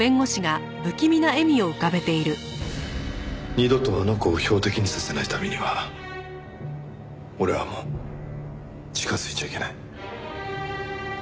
二度とあの子を標的にさせないためには俺はもう近づいちゃいけない。